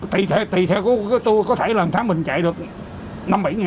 tùy theo của tôi có thể là một tháng mình chạy được năm bảy ngày